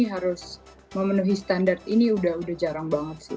terus memenuhi standar ini udah udah jarang banget sih